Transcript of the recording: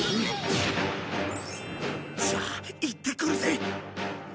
じゃあいってくるぜ。